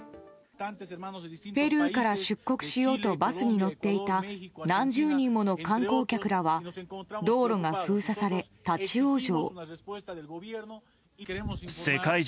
ペルーから出国しようとバスに乗っていた何十人もの観光客らは道路が封鎖され立ち往生。